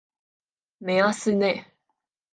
梅阿斯内。